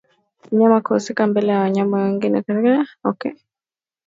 Mnyama kujisukuma mbele na nyuma wakati wa kupumua ni dalili ya homa ya mapafu